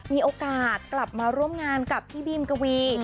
มีโอกาสกลับมาร่วมงานกับพี่บีมกวี